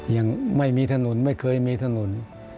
ยังไม่มีถนนไม่เคยมีถนน